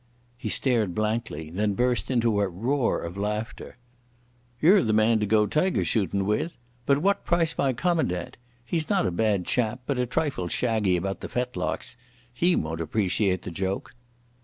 He stared blankly, and then burst into a roar of laughter. "You're the man to go tiger shootin' with. But what price my commandant? He's not a bad chap, but a trifle shaggy about the fetlocks. He won't appreciate the joke."